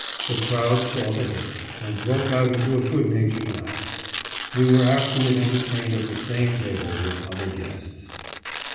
The crowd saw the hit, and broke out into a good natured laugh. We were after ward entertained at the same table with other guests.